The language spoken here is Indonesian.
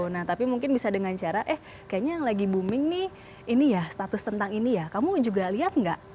nah tapi mungkin bisa dengan cara eh kayaknya yang lagi booming nih ini ya status tentang ini ya kamu juga lihat nggak